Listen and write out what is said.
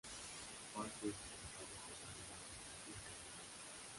Parte de su trazado comprende la "Ruta Interlagos".